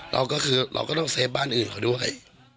เราก็คือเราก็ต้องเฟฟบ้านอื่นเขาด้วย